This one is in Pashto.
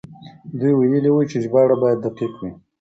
دوی ويلي وو چې ژباړه بايد دقيق وي.